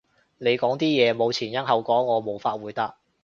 你講啲嘢冇前因後果，我無法回答